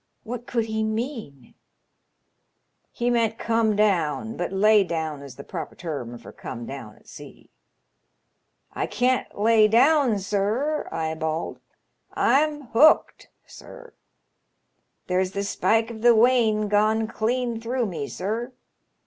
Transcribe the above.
What could he mean ?"" He meant * come down *; but * lay down ' *s the proper term fur " come down " at sea. * I can't lay dovm, sir,' I bawled, *I'm hooked, sir. There's the spike of the wane gone clean through me, sir.